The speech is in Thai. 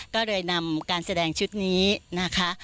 ก็เลยนำการแสดงชุดนี้นะคะ